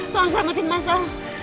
tolong selamatin masalah